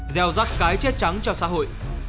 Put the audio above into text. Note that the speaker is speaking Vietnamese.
gieo rắc cái chết trắng cho xã hội